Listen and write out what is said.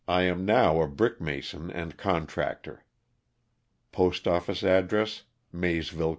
Am now a brick>mason and contractor. Postoffice address, Maysville, Ky. J.